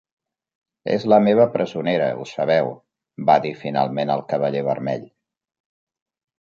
"És la meva presonera, ho sabeu!", va dir finalment el Cavaller vermell.